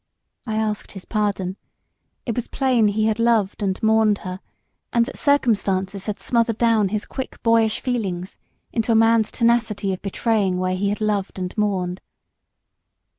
I asked his pardon. It was plain he had loved and mourned her; and that circumstances had smothered down his quick boyish feelings into a man's tenacity of betraying where he had loved and mourned.